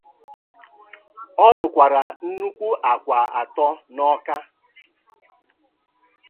Ọ rụkwara nnukwu àkwà atọ n'Awka